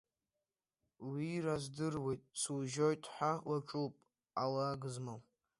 Уира здыруеит, сужьоит ҳәа уаҿуп, алагызмал…